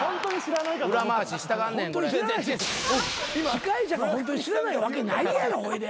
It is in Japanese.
司会者がホントに知らないわけないやろほいで。